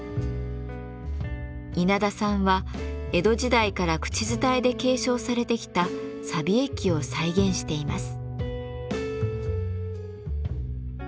稲田さんは江戸時代から口伝えで継承されてきたさび液を再現しています。